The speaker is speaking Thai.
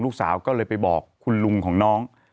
ลูกสาวก็เลยไปบอกคุณลุงของน้อง